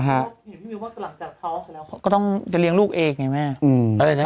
ก็หลังจากท้องแล้วก็ต้องจะเลี้ยงลูกเองไงแม่อืมอะไรอย่างเงี้ย